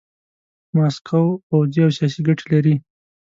ماسکو پوځي او سیاسي ګټې لري.